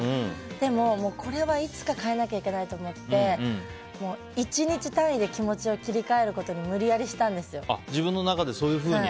でも、これはいつか変えなきゃいけないと思って１日単位で気持ちを切り替えることに自分の中でそういうふうに？